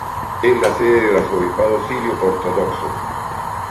Es la sede del arzobispado sirio ortodoxo.